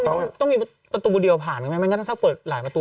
ก็ต้องมีตัวตัวเดียวผ่านไหมไม่งั้นถ้าเปิดหลายประตู